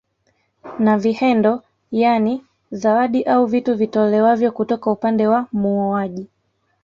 Na vihendo yaani zawadi au vitu vitolewavyo kutoka upande wa muoaji